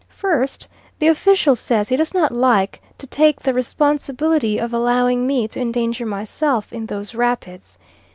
First, the official says he does not like to take the responsibility of allowing me to endanger myself in those rapids.